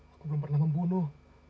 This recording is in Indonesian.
aku belum pernah membunuh